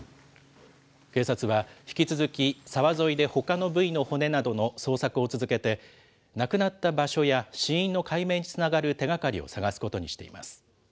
警察は、引き続き沢沿いでほかの部位の骨などの捜索を続けて、亡くなった場所や死因の解明につながる手がかりを捜すことにしています。